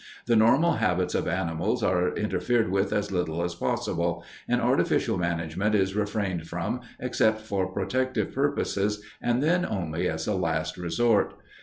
The normal habits of animals are interfered with as little as possible, and artificial management is refrained from except for protective purposes and then only as a last resort.